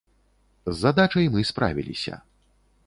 З задачай мы справіліся.